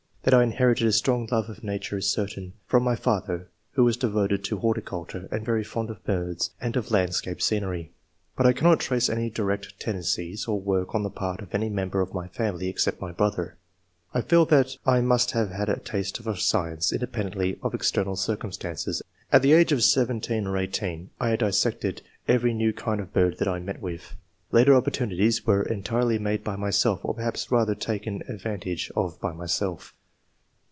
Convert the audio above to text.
That I inherited a strong love of nature is certain, from my father, who was devoted to horticulture and very fond of birds and of land scape scenery ; but I cannot trace any direct tendencies or work on the part of any member of my family, except my brother. I feel that I must have had a taste for science, independently of external circumstances. At the age of 17 or 18, I had dissected every new kind of bird that I 170 ENGLISH MEN OF SCIENCE. [chat. met with. Later opportunities were entirely made by myself, or perhaps, rather, taken ad van. tage of by myself."